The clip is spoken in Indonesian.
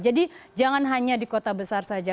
jadi jangan hanya di kota besar saja